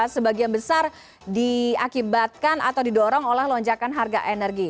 sebagian besar diakibatkan atau didorong oleh lonjakan harga energi